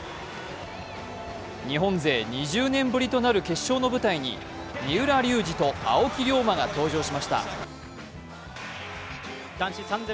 日本勢２０年ぶりとなる決勝の舞台に、三浦龍司と青木涼真が登場しました。